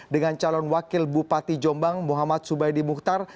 dengan calon wakil bupati jombang muhammad subaidimuhtar